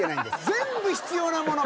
全部、必要なもの。